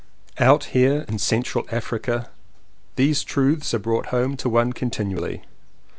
Out here in Central Africa these truths are brought home to one continually.